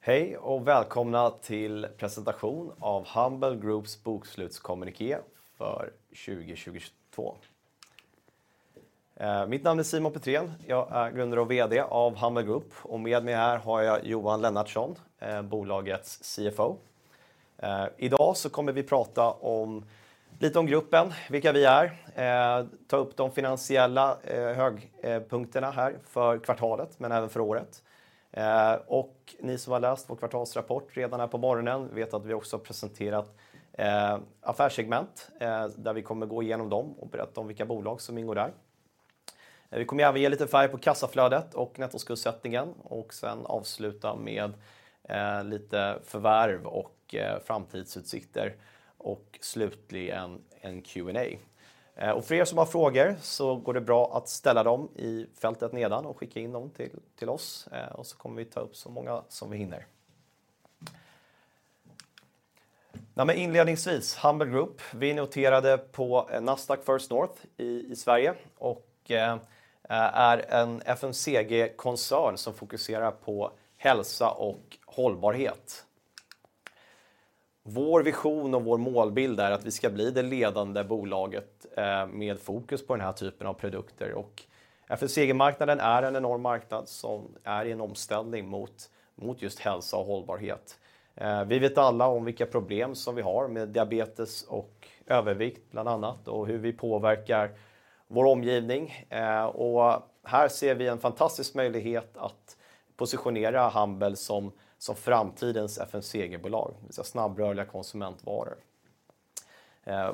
Hej och välkomna till presentation av Humble Groups bokslutskommuniké för 2022. Mitt namn är Simon Petrén. Jag är grundare och VD av Humble Group och med mig här har jag Johan Lennartsson, bolagets CFO. Idag så kommer vi prata om, lite om gruppen, vilka vi är, ta upp de finansiella punkterna här för kvartalet men även för året. Ni som har läst vår kvartalsrapport redan här på morgonen vet att vi också presenterat affärssegment, där vi kommer gå igenom dem och berätta om vilka bolag som ingår där. Vi kommer även ge lite färg på kassaflödet och nettomuskursättningen och sen avsluta med lite förvärv och framtidsutsikter och slutligen en Q&A. För er som har frågor så går det bra att ställa dem i fältet nedan och skicka in dem till oss. kommer vi ta upp så många som vi hinner. Inledningsvis, Humble Group. Vi är noterade på Nasdaq First North i Sverige och är en FMCG-koncern som fokuserar på hälsa och hållbarhet. Vår vision och vår målbild är att vi ska bli det ledande bolaget med fokus på den här typen av produkter. FMCG-marknaden är en enorm marknad som är i en omställning mot just hälsa och hållbarhet. Vi vet alla om vilka problem som vi har med diabetes och övervikt bland annat och hur vi påverkar vår omgivning. Här ser vi en fantastisk möjlighet att positionera Humble som framtidens FMCG-bolag, det vill säga snabbrörliga konsumentvaror.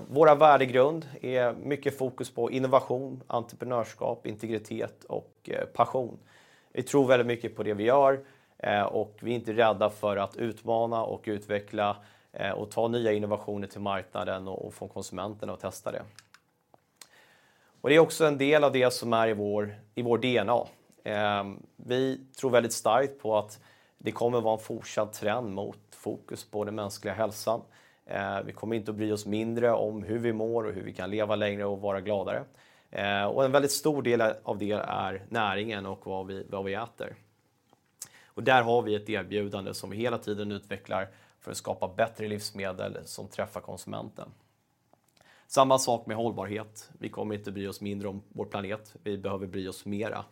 Vår värdegrund är mycket fokus på innovation, entreprenörskap, integritet och passion. Vi tror väldigt mycket på det vi gör, och vi är inte rädda för att utmana och utveckla, och ta nya innovationer till marknaden och få konsumenterna att testa det. Det är också en del av det som är i vår DNA. Vi tror väldigt starkt på att det kommer vara en fortsatt trend mot fokus på den mänskliga hälsan. Vi kommer inte att bry oss mindre om hur vi mår och hur vi kan leva längre och vara gladare. En väldigt stor del av det är näringen och vad vi äter. Där har vi ett erbjudande som vi hela tiden utvecklar för att skapa bättre livsmedel som träffar konsumenten. Samma sak med hållbarhet. Vi kommer inte bry oss mindre om vår planet. Vi behöver bry oss mera.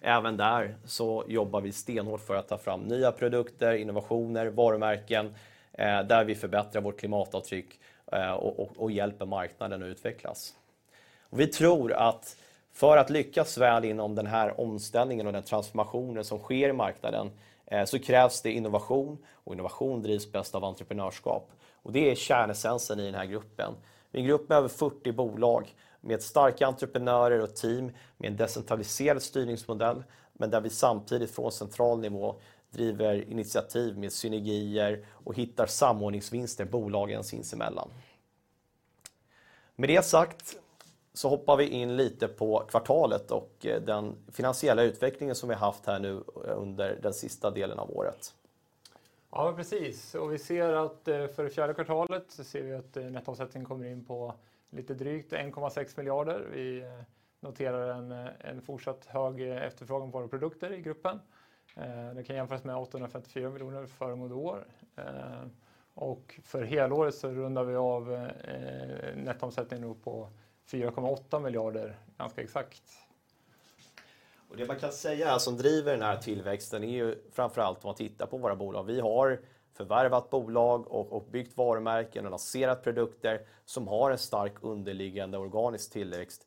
Även där så jobbar vi stenhårt för att ta fram nya produkter, innovationer, varumärken, där vi förbättrar vårt klimatavtryck och hjälper marknaden att utvecklas. Vi tror att för att lyckas väl inom den här omställningen och den transformationen som sker i marknaden, så krävs det innovation och innovation drivs bäst av entreprenörskap. Det är kärnessensen i den här gruppen. Vi är en grupp med över 40 bolag med starka entreprenörer och team med en decentraliserad styrningsmodell, men där vi samtidigt från central nivå driver initiativ med synergier och hittar samordningsvinster bolagen sinsemellan. Med det sagt så hoppar vi in lite på kvartalet och den finansiella utvecklingen som vi haft här nu under den sista delen av året. Ja, precis. Vi ser att för det fjärde kvartalet så ser vi att nettoomsättningen kommer in på lite drygt 1.6 billion. Vi noterar en fortsatt hög efterfrågan på våra produkter i gruppen. Det kan jämföras med 854 million föregående år. För helåret så rundar vi av nettoomsättningen på 4.8 billion ganska exakt. Det man kan säga som driver den här tillväxten är ju framför allt om man tittar på våra bolag. Vi har förvärvat bolag och byggt varumärken och lanserat produkter som har en stark underliggande organisk tillväxt,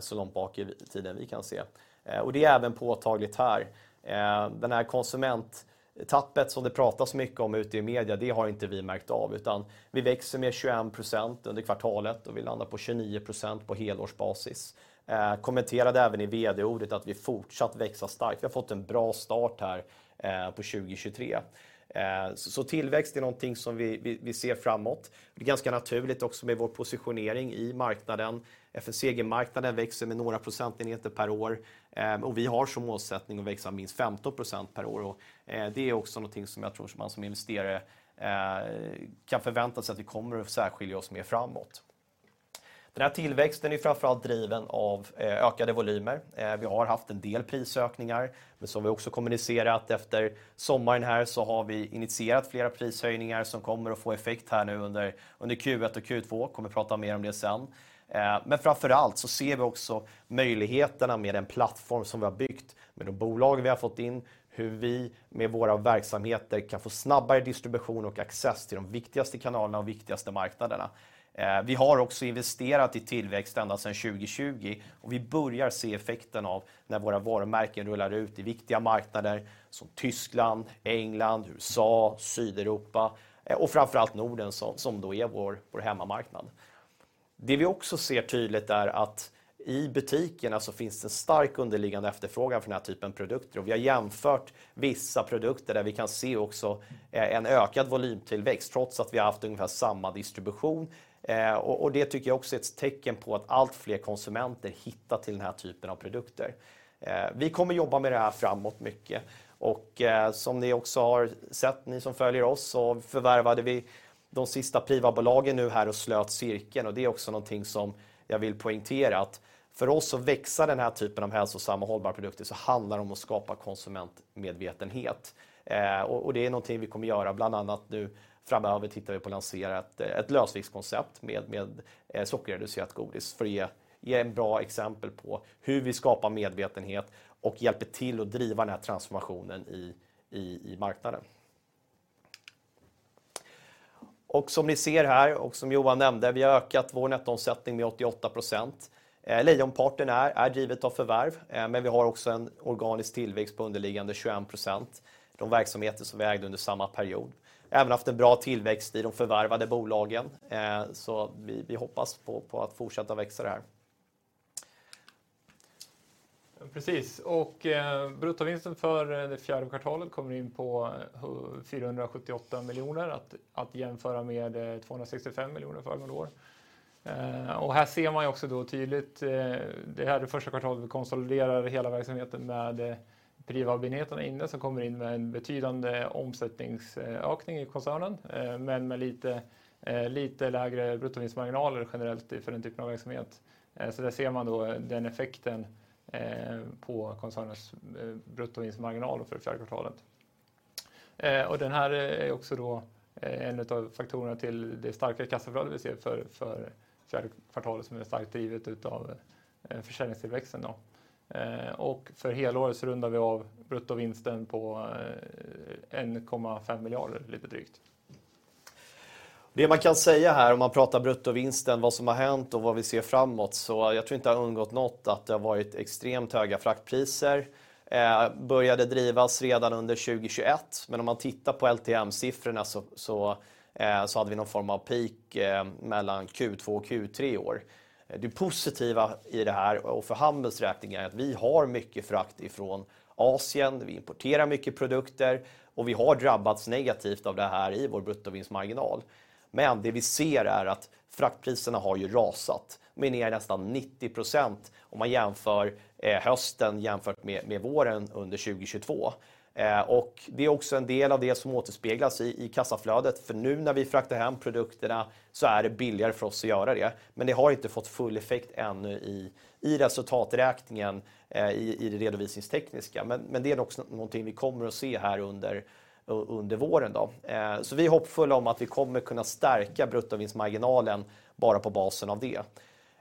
så långt bak i tiden vi kan se. Det är även påtagligt här. Den här konsumenttappet som det pratas mycket om ute i media, det har inte vi märkt av, utan vi växer med 21% under kvartalet och vi landar på 29% på helårsbasis. Kommenterade även i vd-ordet att vi fortsatt växa starkt. Vi har fått en bra start här på 2023. Tillväxt är någonting som vi ser framåt. Det är ganska naturligt också med vår positionering i marknaden. FMCG market växer med några procentenheter per år, vi har som målsättning att växa minst 15% per år. Och det är också någonting som jag tror som man som investerare, kan förvänta sig att vi kommer att särskilja oss mer framåt. Den här tillväxten är framför allt driven av, ökade volymer. Vi har haft en del prisökningar, men som vi också kommunicerat efter sommaren här så har vi initierat flera prishöjningar som kommer att få effekt här nu under Q1 och Q2. Kommer prata mer om det sen. Men framför allt så ser vi också möjligheterna med den plattform som vi har byggt, med de bolagen vi har fått in, hur vi med våra verksamheter kan få snabbare distribution och access till de viktigaste kanalerna och viktigaste marknaderna. Vi har också investerat i tillväxt ända sedan 2020 och vi börjar se effekten av när våra varumärken rullar ut i viktiga marknader som Tyskland, England, USA, Sydeuropa och framför allt Norden som då är vår hemmamarknad. Det vi också ser tydligt är att i butikerna så finns det en stark underliggande efterfrågan för den här typen produkter. Vi har jämfört vissa produkter där vi kan se också en ökad volymtillväxt trots att vi haft ungefär samma distribution. Och det tycker jag också är ett tecken på att allt fler konsumenter hittar till den här typen av produkter. Vi kommer jobba med det här framåt mycket och som ni också har sett, ni som följer oss, så förvärvade vi de sista Privab-bolagen nu här och slöt cirkeln. Det är också någonting som jag vill poängtera att för oss att växa den här typen av hälsosamma hållbara produkter så handlar det om att skapa konsumentmedvetenhet. Det är någonting vi kommer göra bland annat nu framöver tittar vi på att lansera ett lösviktskoncept med sockerreducerat godis för att ge en bra exempel på hur vi skapar medvetenhet och hjälper till att driva den här transformationen i marknaden. Som ni ser här och som Johan nämnde, vi har ökat vår nettoomsättning med 88%. Lejonparten är drivet av förvärv, men vi har också en organisk tillväxt på underliggande 21%. De verksamheter som vi ägde under samma period. Även haft en bra tillväxt i de förvärvade bolagen. Vi hoppas på att fortsätta växa det här. Precis, bruttovinsten för det fjärde kvartalet kommer in på 478 million att jämföra med 265 million föregående år. Här ser man ju också då tydligt, det här är det första kvartalet vi konsoliderar hela verksamheten med Privab-enheterna inne som kommer in med en betydande omsättningsökning i koncernen, men med lite lägre bruttovinstmarginaler generellt för den typen av verksamhet. Där ser man då den effekten på koncernens bruttovinstmarginal för det fjärde kvartalet. Den här är också då en utav faktorerna till det starkare kassaflöde vi ser för fjärde kvartalet som är starkt drivet utav försäljningstillväxten då. För helåret så rundar vi av bruttovinsten på 1.5 billion, lite drygt. Det man kan säga här om man pratar bruttovinsten, vad som har hänt och vad vi ser framåt. Jag tror inte det har undgått något att det har varit extremt höga fraktpriser. Började drivas redan under 2021. Om man tittar på LTM-siffrorna så hade vi någon form av peak mellan Q2 och Q3 i år. Det positiva i det här och för handelsräkningen är att vi har mycket frakt ifrån Asien. Vi importerar mycket produkter och vi har drabbats negativt av det här i vår bruttovinstmarginal. Det vi ser är att fraktpriserna har ju rasat. De är ner nästan 90% om man jämför hösten jämfört med våren under 2022. Det är också en del av det som återspeglas i kassaflödet. Nu när vi fraktar hem produkterna så är det billigare för oss att göra det. Det har inte fått full effekt ännu i resultaträkningen i det redovisningstekniska. Det är något vi kommer att se här under våren då. Vi är hoppfull om att vi kommer att kunna stärka bruttovinstmarginalen bara på basen av det.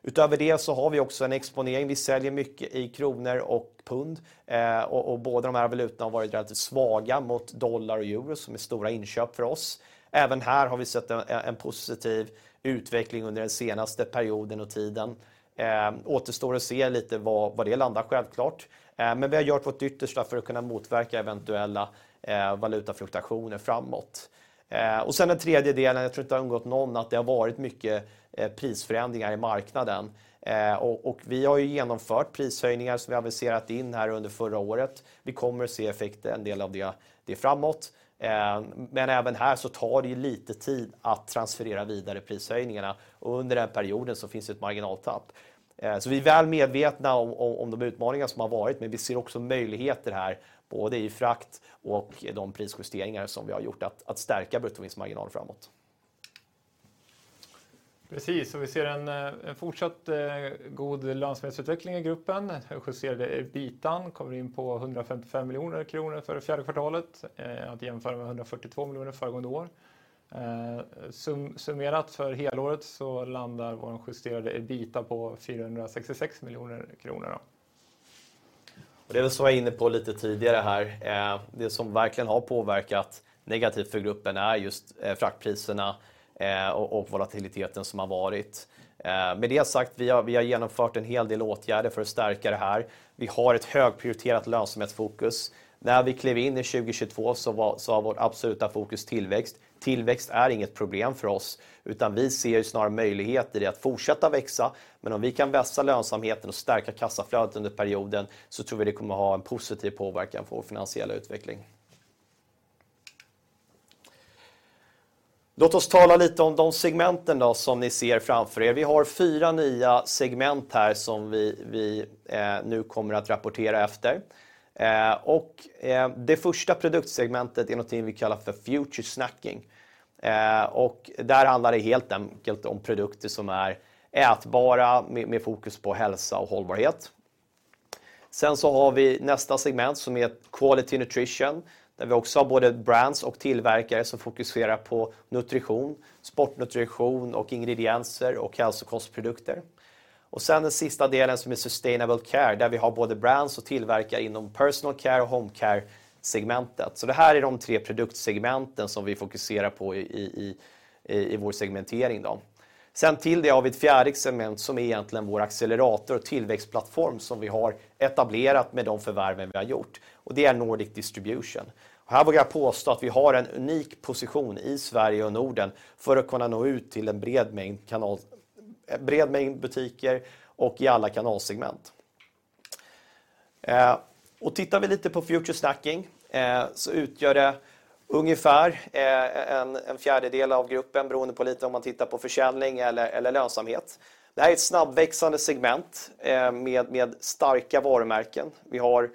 Utöver det har vi också en exponering. Vi säljer mycket i SEK och GBP. Båda de här valutorna har varit relativt svaga mot USD och EUR som är stora inköp för oss. Även här har vi sett en positiv utveckling under den senaste perioden och tiden. Återstår att se lite var det landar självklart. Vi har gjort vårt yttersta för att kunna motverka eventuella valutafluktuationer framåt. Sen den tredje delen, jag tror inte det har undgått någon att det har varit mycket prisförändringar i marknaden. Vi har ju genomfört prishöjningar som vi aviserat in här under förra året. Vi kommer att se effekt en del av det framåt. Även här så tar det ju lite tid att transferera vidare prishöjningarna. Under den perioden så finns ett marginaltapp. Vi är väl medvetna om de utmaningar som har varit. Vi ser också möjligheter här, både i frakt och de prisjusteringar som vi har gjort att stärka bruttovinstmarginalen framåt. Precis, och vi ser en fortsatt god lönsamhetsutveckling i gruppen. Justerade EBITA kommer in på 155 million kronor för det fjärde kvartalet. Att jämföra med 142 million föregående år. summerat för helåret landar vår justerade EBITA på 466 million kronor då. Det var så jag var inne på lite tidigare här. Det som verkligen har påverkat negativt för gruppen är just fraktpriserna och volatiliteten som har varit. Med det sagt, vi har genomfört en hel del åtgärder för att stärka det här. Vi har ett högprioriterat lönsamhetsfokus. När vi klev in i 2022 så var vårt absoluta fokus tillväxt. Tillväxt är inget problem för oss, utan vi ser snarare möjlighet i det att fortsätta växa. Om vi kan vässa lönsamheten och stärka kassaflödet under perioden så tror vi det kommer att ha en positiv påverkan på vår finansiella utveckling. Låt oss tala lite om de segmenten då som ni ser framför er. Vi har 4 nya segment här som vi nu kommer att rapportera efter. Det första produktsegmentet är någonting vi kallar för Future Snacking. Där handlar det helt enkelt om produkter som är ätbara med fokus på hälsa och hållbarhet. Vi har nästa segment som är Quality Nutrition, där vi också har både brands och tillverkare som fokuserar på nutrition, sportnutrition och ingredienser och hälsokostprodukter. Den sista delen som är Sustainable Care, där vi har både brands och tillverkare inom personal care och home care-segmentet. Det här är de tre produktsegmenten som vi fokuserar på i vår segmentering då. Till det har vi ett fjärde segment som är egentligen vår accelerator och tillväxtplattform som vi har etablerat med de förvärven vi har gjort. Det är Nordic Distribution. Här vågar jag påstå att vi har en unik position i Sverige och Norden för att kunna nå ut till en bred mängd butiker och i alla kanalsegment. Tittar vi lite på Future Snacking så utgör det ungefär a quarter av gruppen, beroende på lite om man tittar på försäljning eller lönsamhet. Det här är ett snabbväxande segment med starka varumärken. Vi har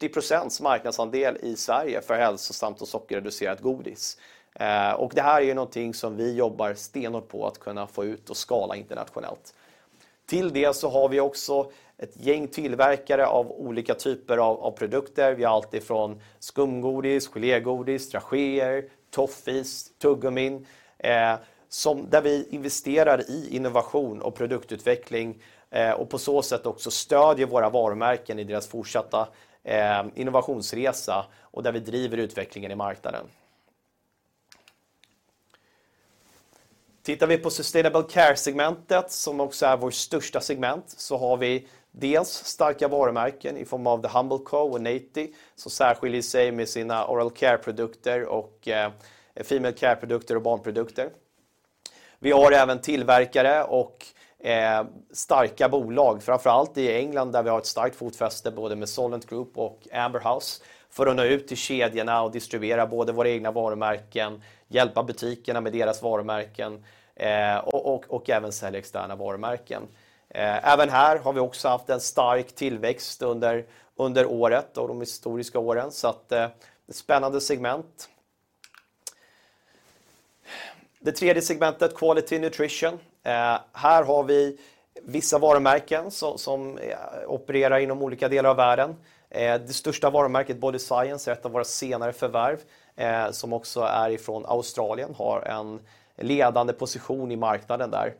80% marknadsandel i Sverige för hälsosamt och sockerreducerat godis. Det här är ju någonting som vi jobbar stenhårt på att kunna få ut och skala internationellt. Till det så har vi också ett gäng tillverkare av olika typer av produkter. Vi har alltifrån skumgodis, gelégodis, dragéer, toffis, tuggummin. Där vi investerar i innovation och produktutveckling och på så sätt också stödjer våra varumärken i deras fortsatta innovationsresa och där vi driver utvecklingen i marknaden. Tittar vi på Sustainable Care segment som också är vår största segment, så har vi dels starka varumärken i form av The Humble Co. Naty som särskiljer sig med sina oral care-produkter och female care-produkter och barnprodukter. Vi har även tillverkare och starka bolag, framför allt i England, där vi har ett starkt fotfäste både med Solent Group och Amber House för att nå ut till kedjorna och distribuera både våra egna varumärken, hjälpa butikerna med deras varumärken och även sälja externa varumärken. Även här har vi också haft en stark tillväxt under året och de historiska åren. Spännande segment. Det tredje segmentet, Quality Nutrition. Här har vi vissa varumärken som opererar inom olika delar av världen. Det största varumärket Body Science, ett av våra senare förvärv, som också är ifrån Australien, har en ledande position i marknaden där.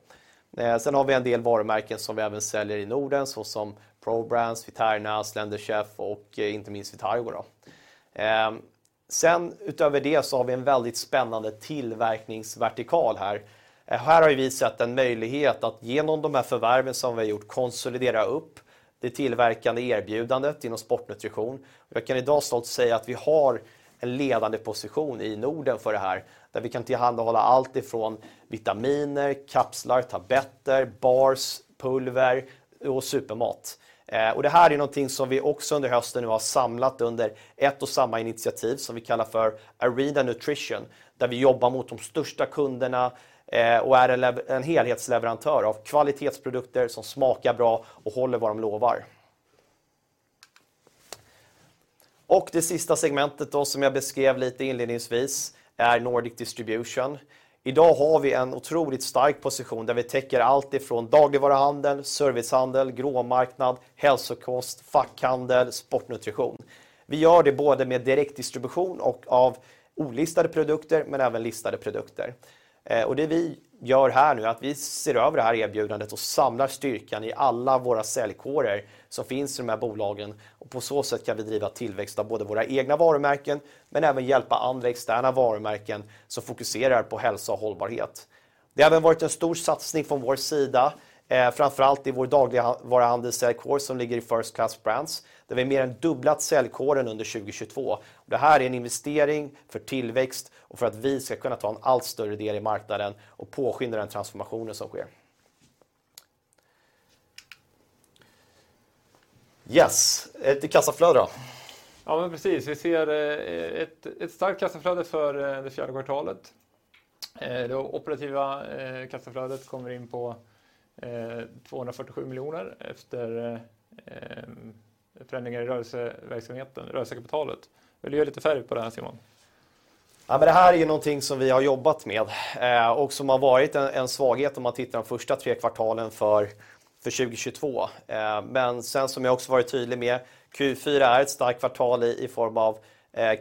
Vi har en del varumärken som vi även säljer i Norden, så som Pro! Brands, Viterna, Slender Chef och inte minst Vitargo då. Utöver det har vi en väldigt spännande tillverkningsvertikal här. Här har vi sett en möjlighet att genom de här förvärven som vi har gjort konsolidera upp det tillverkande erbjudandet inom sportnutrition. Jag kan i dag stolt säga att vi har en ledande position i Norden för det här, där vi kan tillhandahålla allt ifrån vitaminer, kapslar, tabletter, bars, pulver och supermat. Det här är någonting som vi också under hösten nu har samlat under ett och samma initiativ som vi kallar för Areda Nutrition, där vi jobbar mot de största kunderna och är en helhetsleverantör av kvalitetsprodukter som smakar bra och håller vad de lovar. Det sista segmentet då som jag beskrev lite inledningsvis är Nordic Distribution. Idag har vi en otroligt stark position där vi täcker allt ifrån dagligvaruhandel, servicehandel, gråmarknad, hälsokost, fackhandel, sportnutrition. Vi gör det både med direktdistribution och av olistade produkter men även listade produkter. Det vi gör här nu är att vi ser över det här erbjudandet och samlar styrkan i alla våra säljkårer som finns i de här bolagen. På så sätt kan vi driva tillväxt av både våra egna varumärken men även hjälpa andra externa varumärken som fokuserar på hälsa och hållbarhet. Det har även varit en stor satsning från vår sida, framför allt i vår dagligvaruhandel säljkår som ligger i First Class Brands, där vi mer än dubblat säljkåren under 2022. Det här är en investering för tillväxt och för att vi ska kunna ta en allt större del i marknaden och påskynda den transformationen som sker. Yes, till kassaflöde då. Precis, vi ser ett starkt kassaflöde för det fjärde kvartalet. Det operativa kassaflödet kommer in på 247 million efter förändringar i rörelseverksamheten, rörelsekapitalet. Vill du ge lite färg på det här Simon? Det här är ju någonting som vi har jobbat med, och som har varit en svaghet om man tittar de första three kvartalen för 2022. Sen som jag också varit tydlig med, Q4 är ett starkt kvartal i form av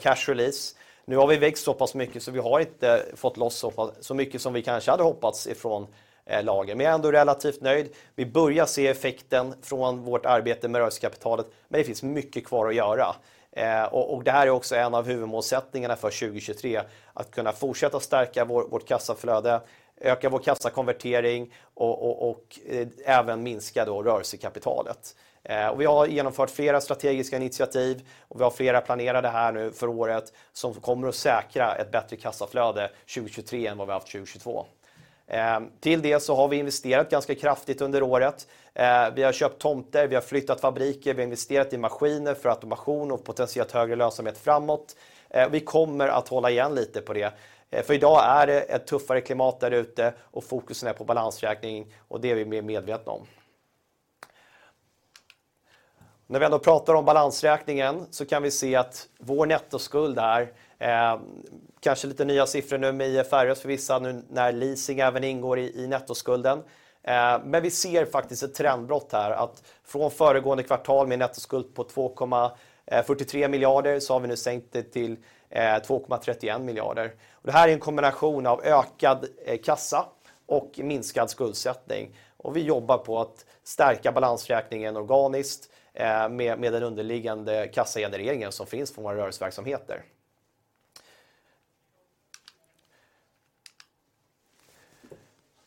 cash release. Nu har vi växt så pass mycket så vi har inte fått loss så mycket som vi kanske hade hoppats ifrån lagren. Jag är ändå relativt nöjd. Vi börjar se effekten från vårt arbete med rörelsekapitalet, men det finns mycket kvar att göra. Det här är också en av huvudmålsättningarna för 2023. Att kunna fortsätta stärka vårt kassaflöde, öka vår kassakonvertering och även minska då rörelsekapitalet. Vi har genomfört flera strategiska initiativ och vi har flera planerade här nu för året som kommer att säkra ett bättre kassaflöde 2023 än vad vi haft 2022. Till det har vi investerat ganska kraftigt under året. Vi har köpt tomter, vi har flyttat fabriker, vi har investerat i maskiner för automation och potentiellt högre lönsamhet framåt. Vi kommer att hålla igen lite på det, för i dag är det ett tuffare klimat där ute och fokusen är på balansräkningen och det är vi medvetna om. När vi ändå pratar om balansräkningen så kan vi se att vår nettoskuld är kanske lite nya siffror nu med IFRS för vissa nu när leasing även ingår i nettoskulden. Vi ser faktiskt ett trendbrott här att från föregående kvartal med en nettoskuld på 2.43 billion så har vi nu sänkt det till 2.31 billion. Det här är en kombination av ökad kassa och minskad skuldsättning. Vi jobbar på att stärka balansräkningen organiskt med den underliggande kassagenereringen som finns på våra rörelseverksamheter.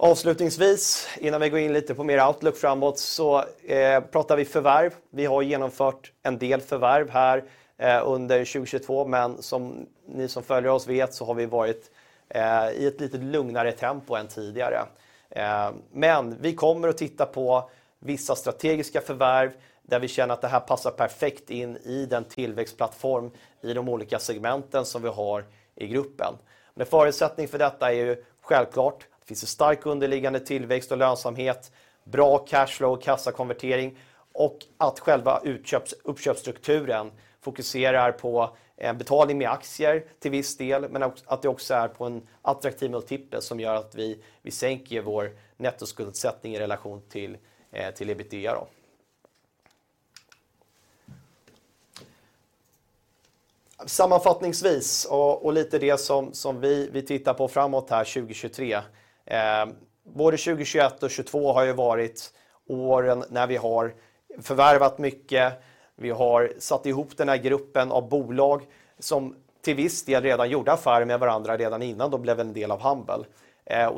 Avslutningsvis, innan vi går in lite på mer outlook framåt, pratar vi förvärv. Vi har genomfört en del förvärv här under 2022, som ni som följer oss vet har vi varit i ett lite lugnare tempo än tidigare. Vi kommer att titta på vissa strategiska förvärv där vi känner att det här passar perfekt in i den tillväxtplattform i de olika segmenten som vi har i gruppen. Förutsättning för detta är ju självklart att det finns en stark underliggande tillväxt och lönsamhet, bra cashflow, kassakonvertering och att själva uppköpsstrukturen fokuserar på betalning med aktier till viss del, men att det också är på en attraktiv multipel som gör att vi sänker vår nettoskuldsättning i relation till EBITDA då. Sammanfattningsvis och lite det som vi tittar på framåt här 2023. Både 2021 och 2022 har ju varit åren när vi har förvärvat mycket. Vi har satt ihop den här gruppen av bolag som till viss del redan gjorde affär med varandra redan innan de blev en del av Humble Group.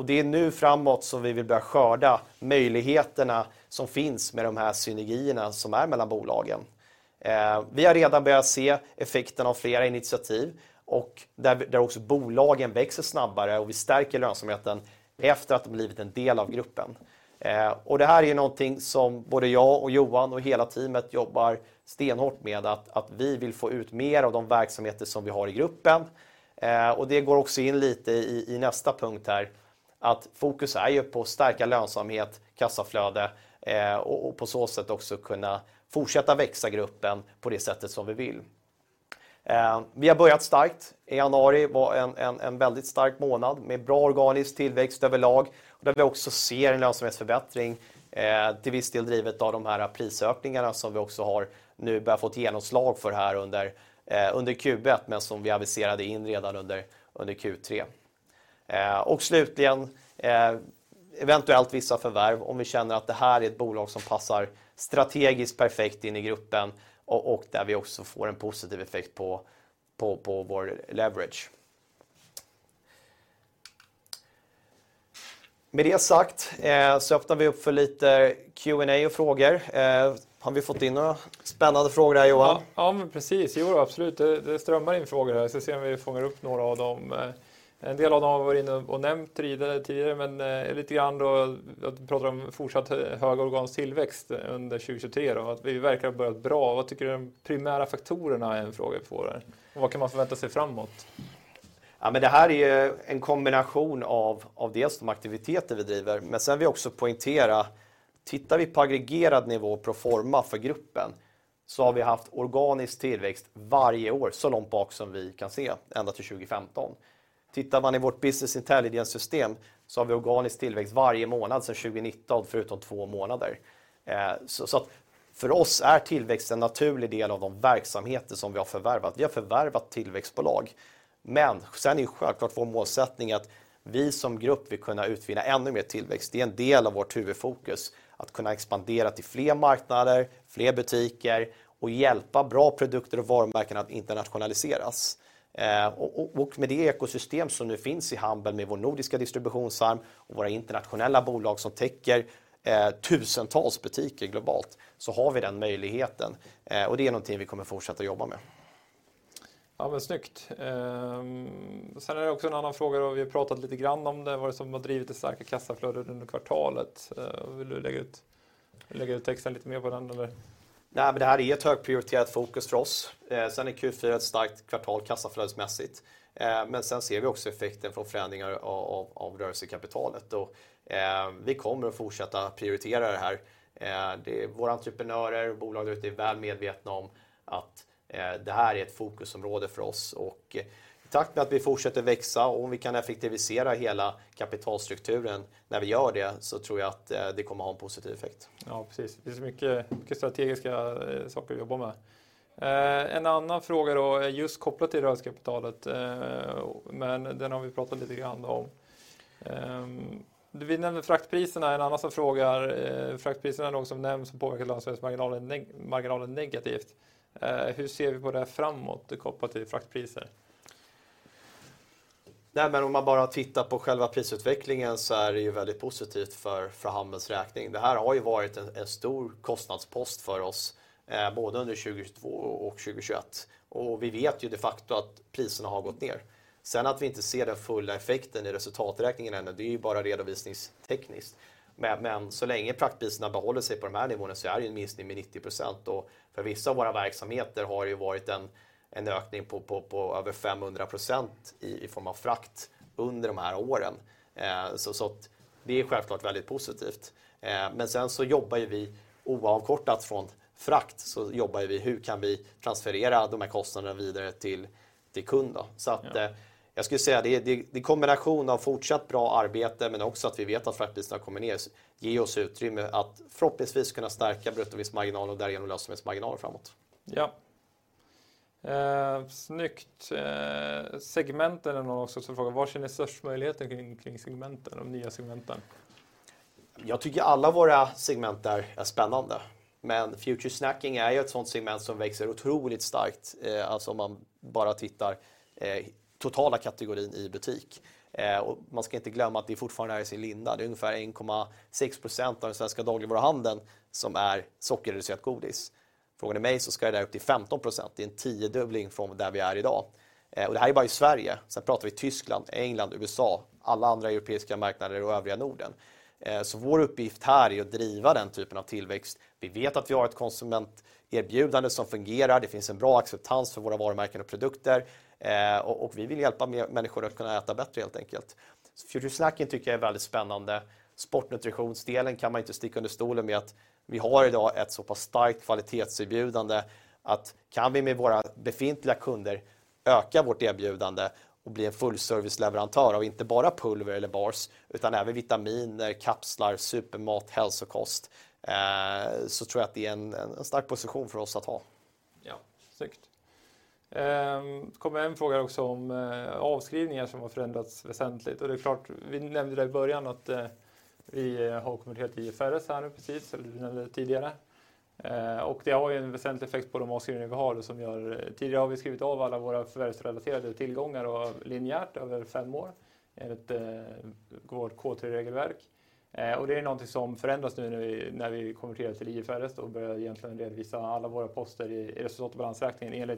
Det är nu framåt som vi vill börja skörda möjligheterna som finns med de här synergierna som är mellan bolagen. Vi har redan börjat se effekten av flera initiativ och där också bolagen växer snabbare och vi stärker lönsamheten efter att de blivit en del av gruppen. Det här är ju någonting som både jag och Johan Lennartsson och hela teamet jobbar stenhårt med att vi vill få ut mer av de verksamheter som vi har i gruppen. Det går också in lite i nästa punkt här. Att fokus är ju på att stärka lönsamhet, kassaflöde och på så sätt också kunna fortsätta växa gruppen på det sättet som vi vill. Vi har börjat starkt. I januari var en väldigt stark månad med bra organisk tillväxt överlag. Där vi också ser en lönsamhetsförbättring, till viss del drivet av de här prisökningarna som vi också har nu börjat få ett genomslag för här under Q1, men som vi aviserade in redan under Q3. Slutligen, eventuellt vissa förvärv om vi känner att det här är ett bolag som passar strategiskt perfekt in i gruppen och där vi också får en positiv effekt på vår leverage. Med det sagt öppnar vi upp för lite Q&A och frågor. Har vi fått in några spännande frågor här Johan? Ja men precis, jo absolut. Det strömmar in frågor här. Ska se om vi fångar upp några av dem. En del av dem har vi varit inne och nämnt tidigare, men lite grann då. Du pratar om fortsatt hög organisk tillväxt under 2023 då, att vi verkar ha börjat bra. Vad tycker du de primära faktorerna är? En fråga vi får där. Vad kan man förvänta sig framåt? Det här är ju en kombination av dels de aktiviteter vi driver. Sen vill jag också poängtera, tittar vi på aggregerad nivå proforma för gruppen, så har vi haft organisk tillväxt varje år, så långt bak som vi kan se ända till 2015. Tittar man i vårt business intelligence-system så har vi organisk tillväxt varje månad sedan 2019, förutom två månader. För oss är tillväxt en naturlig del av de verksamheter som vi har förvärvat. Vi har förvärvat tillväxtbolag. Sen är självklart vår målsättning att vi som grupp vill kunna utvinna ännu mer tillväxt. Det är en del av vårt huvudfokus att kunna expandera till fler marknader, fler butiker och hjälpa bra produkter och varumärken att internationaliseras. Med det ekosystem som nu finns i Humble med vår Nordic Distribution arm och våra internationella bolag som täcker tusentals butiker globalt, så har vi den möjligheten och det är någonting vi kommer fortsätta jobba med. Snyggt. Är det också en annan fråga då. Vi har pratat lite grann om det, vad det som har drivit det starka kassaflödet under kvartalet. Vill du lägga ut texten lite mer på den eller? Det här är ett högprioriterat fokus för oss. Q4 är ett starkt kvartal kassaflödesmässigt. Vi ser också effekten från förändringar av rörelsekapitalet. Vi kommer att fortsätta prioritera det här. Våra entreprenörer och bolag där ute är väl medvetna om att det här är ett fokusområde för oss. I takt med att vi fortsätter växa och om vi kan effektivisera hela kapitalstrukturen när vi gör det, så tror jag att det kommer att ha en positiv effekt. Ja, precis. Det är så mycket strategiska saker att jobba med. En annan fråga då är just kopplat till rörelsekapitalet, men den har vi pratat lite grann om. Du vill nämna fraktpriserna. En annan som frågar, fraktpriserna är något som nämns som påverkar lönsamhetsmarginalen negativt. Hur ser vi på det framåt kopplat till fraktpriser? Om man bara tittar på själva prisutvecklingen så är det ju väldigt positivt för Humble's räkning. Det här har ju varit en stor kostnadspost för oss, både under 2022 och 2021. Vi vet ju de facto att priserna har gått ner. Att vi inte ser den fulla effekten i resultaträkningen ännu, det är ju bara redovisningstekniskt. Så länge fraktpriserna behåller sig på de här nivåerna så är det ju en minskning med 90%. För vissa av våra verksamheter har det ju varit en ökning på över 500% i form av frakt under de här åren. Att det är självklart väldigt positivt. Jobbar ju vi oavkortat från frakt. Jobbar ju vi, hur kan vi transferera de här kostnaderna vidare till kund då? Jag skulle säga det, kombination av fortsatt bra arbete, men också att vi vet att fraktpriserna har kommit ner, ger oss utrymme att förhoppningsvis kunna stärka brutto vinstmarginal och därigenom lönsamhetsmarginaler framåt. Ja. Snyggt. Segmenten är nog också en fråga. Var känner ni störst möjligheten kring segmenten, de nya segmenten? Jag tycker alla våra segment är spännande, men Future Snacking är ju ett sådant segment som växer otroligt starkt. Alltså om man bara tittar totala kategorin i butik. Man ska inte glömma att det fortfarande är i sin linda. Det är ungefär 1.6% av den svenska dagligvaruhandeln som är sockerreducert godis. Frågar du mig ska det där upp till 15%. Det är en 10-dubbling från där vi är i dag. Det här är bara i Sverige. Pratar vi Tyskland, England, USA, alla andra europeiska marknader och övriga Norden. Vår uppgift här är att driva den typen av tillväxt. Vi vet att vi har ett konsumenterbjudande som fungerar. Det finns en bra acceptans för våra varumärken och produkter. Vi vill hjälpa människor att kunna äta bättre helt enkelt. Future Snacking tycker jag är väldigt spännande. Sportnutritionsdelen kan man inte sticka under stolen med att vi har i dag ett så pass starkt kvalitetserbjudande att kan vi med våra befintliga kunder öka vårt erbjudande och bli en fullserviceleverantör av inte bara pulver eller bars, utan även vitaminer, kapslar, supermat, hälsokost, så tror jag att det är en stark position för oss att ha. Ja, snyggt. Det kom en fråga också om avskrivningar som har förändrats väsentligt. Det är klart, vi nämnde det i början att vi har konverterat till IFRS här nu precis eller tidigare. Det har ju en väsentlig effekt på de avskrivningar vi har. Tidigare har vi skrivit av alla våra förvärvsrelaterade tillgångar linjärt över five years enligt vårt K3-regelverk. Det är någonting som förändras nu när vi konverterar till IFRS och börjar egentligen redovisa alla våra poster i resultat- och balansräkningen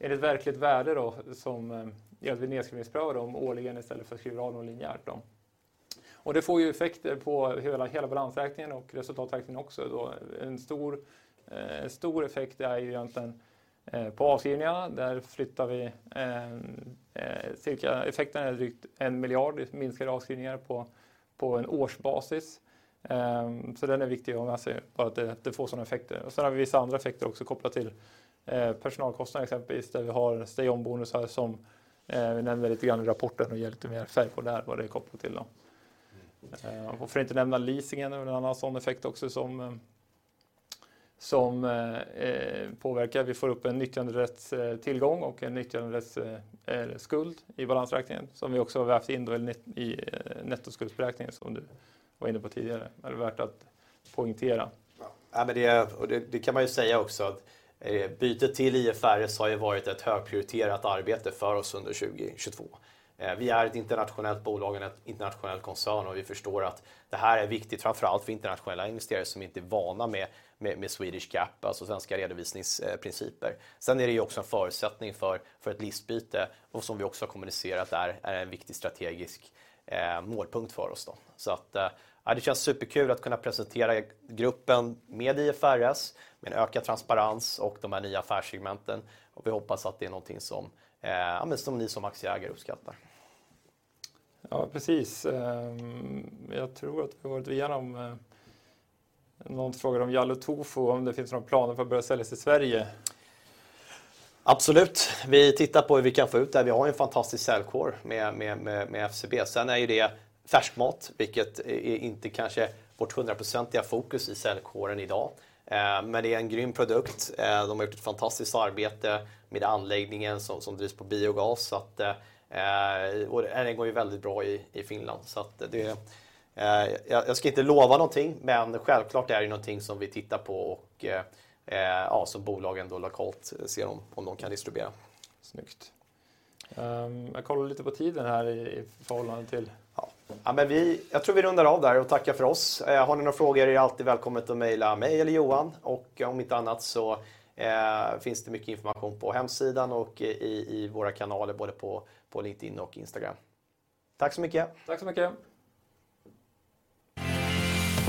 enligt verkligt värde då som hjälper nedskrivningspröva dem årligen istället för att skriva av dem linjärt. Det får ju effekter på hela balansräkningen och resultaträkningen också då. En stor effekt är ju egentligen på avskrivningarna. Där flyttar vi cirka effekten är drygt SEK 1 miljard i minskade avskrivningar på en årsbasis. Den är viktig att ha med sig på att det får sådana effekter. Sen har vi vissa andra effekter också kopplat till personalkostnader, exempelvis, där vi har stay on-bonusar som vi nämner lite grann i rapporten och ger lite mer färg på det här, vad det är kopplat till då. För att inte nämna leasingen, en annan sådan effekt också som påverkar. Vi får upp en nyttjanderättstillgång och en nyttjanderättsskuld i balansräkningen som vi också har vävt in då i nettoskuldberäkningen som du var inne på tidigare. Är det värt att poängtera. Det kan man ju säga också att bytet till IFRS har ju varit ett högprioriterat arbete för oss under 2022. Vi är ett internationellt bolag och en internationell koncern och vi förstår att det här är viktigt, framför allt för internationella investerare som inte är vana med Swedish GAAP, alltså svenska redovisningsprinciper. Det är ju också en förutsättning för ett listbyte och som vi också har kommunicerat är en viktig strategisk målpunkt för oss då. Det känns superkul att kunna presentera gruppen med IFRS, med ökad transparens och de här nya affärssegmenten. Vi hoppas att det är någonting som ni som aktieägare uppskattar. Ja, precis. Jag tror att vi har gått igenom... Någon frågar om Yallo Tofu, om det finns några planer för att börja säljas i Sverige. Absolut. Vi tittar på hur vi kan få ut det. Vi har ju en fantastisk säljkår med FCB. Det är ju färskmat, vilket är inte kanske vårt 100% fokus i säljkåren i dag. Det är en grym produkt. De har gjort ett fantastiskt arbete med anläggningen som drivs på biogas. Det går ju väldigt bra i Finland. Det, jag ska inte lova någonting, självklart är det någonting som vi tittar på ja, som bolagen då lokalt ser om de kan distribuera. Snyggt. Jag kollar lite på tiden här i förhållande till... Vi, jag tror vi rundar av där och tackar för oss. Har ni några frågor är det alltid välkommet att email mig eller Johan? Om inte annat så finns det mycket information på hemsidan och i våra kanaler, både på LinkedIn och Instagram. Tack så mycket. Tack så mycket!